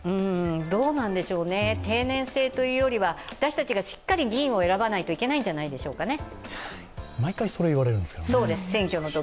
どうなんでしょうね、定年制というよりは私たちがしっかり議員を選ばないといけないんじゃないでしょうかね。